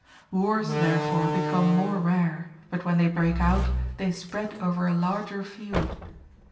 Wars therefore become more rare, but when they break out they spread over a larger field.